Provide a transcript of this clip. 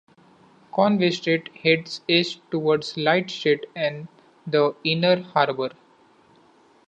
Conway Street heads east toward Light Street and the Inner Harbor.